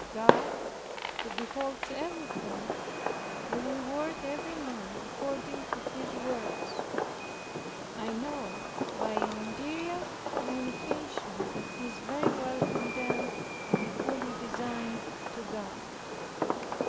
God, who beholds everything, will reward every man according to his works. I know by an interior communication that he is very well content, and fully resigned to God.